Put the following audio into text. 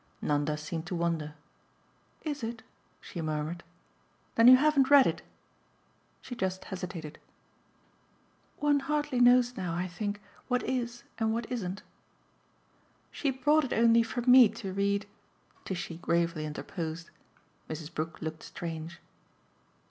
Nanda seemed to wonder. "Is it?" she murmured. "Then you haven't read it?" She just hesitated. "One hardly knows now, I think, what is and what isn't." "She brought it only for ME to read," Tishy gravely interposed. Mrs. Brook looked strange.